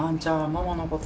ママのこと